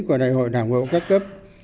của đại hội đảng bộ các cấp